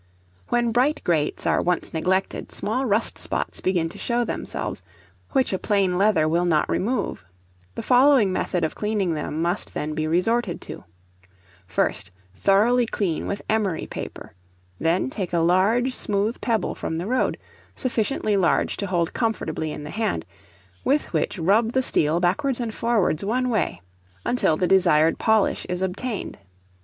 When bright grates are once neglected, small rust spots begin to show themselves, which a plain leather will not remove; the following method of cleaning them must then be resorted to: First, thoroughly clean with emery paper; then take a large smooth pebble from the road, sufficiently large to hold comfortably in the hand, with which rub the steel backwards and forwards one way, until the desired polish is obtained.